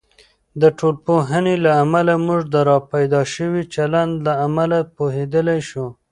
د ټولنپوهنې له امله، موږ د راپیدا شوي چلند له امله پوهیدلی شو.